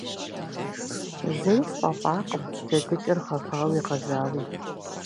Зэи сфӏэфӏакъым джэдыкӏэр гъэвауи гъэжьауи.